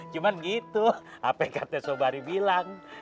cuman gitu apa yang kata sobari bilang